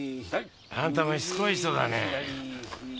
あんたもしつこい人だね。